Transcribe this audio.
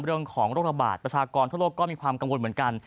โรคระบาดประชากรทั่วโลกก็มีความกังวลเหมือนกัน